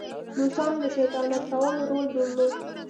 روسانو د شیطانت کولو رول درلود.